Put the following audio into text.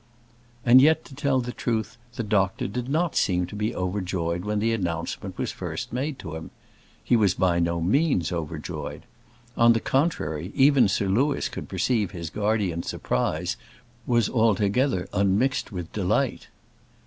And yet, to tell the truth, the doctor did not seem to be overjoyed when the announcement was first made to him. He was by no means overjoyed. On the contrary, even Sir Louis could perceive his guardian's surprise was altogether unmixed with delight.